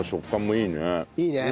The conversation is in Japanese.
いいね！